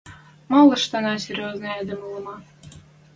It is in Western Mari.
— Мӓ лоштына серьёзный эдем улы ма?